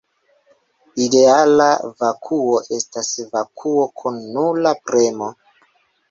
Ideala vakuo estas vakuo kun nula premo.